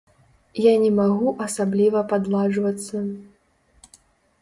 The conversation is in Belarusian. Я не магу асабліва падладжвацца.